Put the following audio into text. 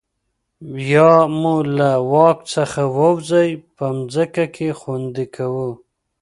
یا مو له واک څخه ووځي په ځمکه کې خوندي کوو.